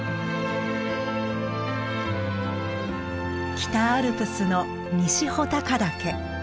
北アルプスの西穂高岳。